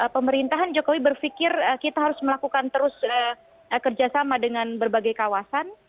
pemerintahan jokowi berpikir kita harus melakukan terus kerjasama dengan berbagai kawasan